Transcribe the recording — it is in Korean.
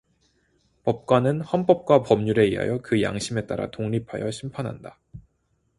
법관은 헌법과 법률에 의하여 그 양심에 따라 독립하여 심판한다.